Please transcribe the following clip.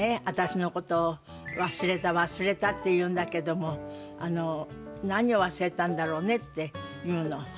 私のことを『忘れた忘れた』って言うんだけども何を忘れたんだろうね？」って言うの。